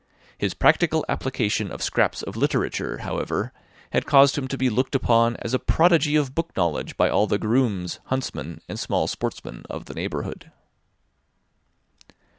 His practical application of scraps of literature, however, had caused him to be looked upon as a prodigy of book knowledge by all the grooms, huntsmen, and small sportsmen of the neighbourhood.